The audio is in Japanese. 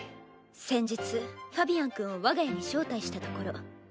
先日ファビアンくんを我が家に招待したところ。